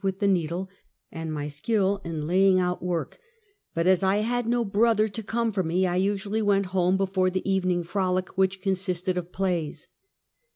39 with the needle, and mj skill in laying out work; but as I had no brother to come for me, I usually went home before the evening frolic, which consisted of plays.